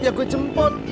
ya gua jemput